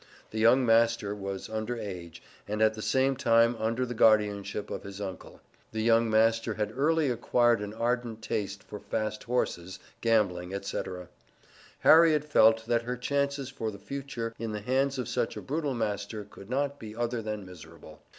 The young master, was under age, and at the same time under the guardianship of his Uncle. The young master had early acquired an ardent taste for fast horses, gambling, etc. Harriet felt, that her chances for the future in the hands of such a brutal master could not be other than miserable.